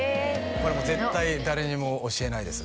「これはもう絶対誰にも」「教えないです」